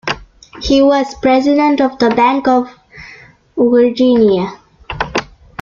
He was president of the Bank of Virginia.